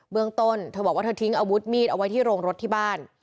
เมืองต้นเธอบอกว่าเธอทิ้งอาวุธมีดเอาไว้ที่โรงรถที่บ้าน